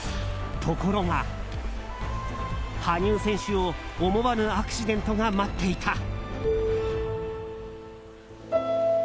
ところが羽生選手を思わぬアクシデントが待っていた。